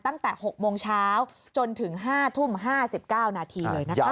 ตั้งแต่๖โมงเช้าจนถึง๕ทุ่ม๕๙นาทีเลยนะคะ